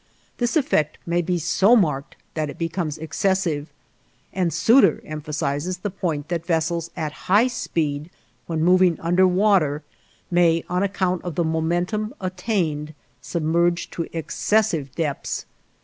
This effect may be so marked that it becomes excessive, and Sueter emphasizes the point that vessels at high speed, when moving under water, may, on account of the momentum attained, submerge to excessive depths.